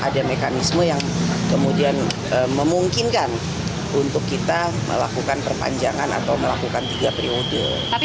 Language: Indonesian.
beliau meminta untuk perpanjangan tiga periode